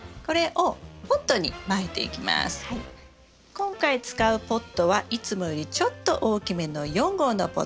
今回使うポットはいつもよりちょっと大きめの４号のポット。